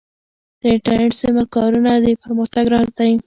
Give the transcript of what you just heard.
د انټرنیټ سمه کارونه د پرمختګ راز دی.